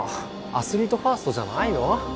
アスリートファーストじゃないの？